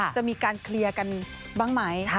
จะมีการเคลียร์กันบ้างไหม